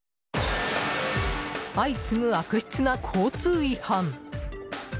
相次ぐ悪質な交通違反。